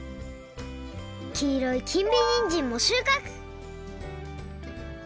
きいろい金美にんじんもしゅうかく！